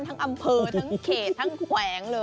ทั้งอำเภอทั้งเขตทั้งแขวงเลย